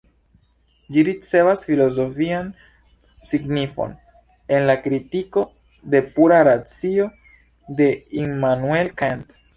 Ĝi ricevas filozofian signifon en la Kritiko de Pura Racio de Immanuel Kant.